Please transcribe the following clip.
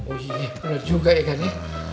oh iya bener juga ya kan ya